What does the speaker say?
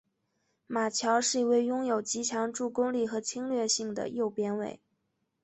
马乔是一位拥有极强助攻力和侵略性的右边卫。